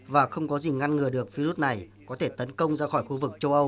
và không có gì ngăn ngừa được virus này có thể tấn công ra khỏi khu vực châu âu và châu á